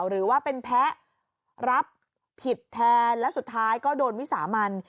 หรือว่าเป็นแพ้รับผิดแทนและสุดท้ายก็โดนวิสามัน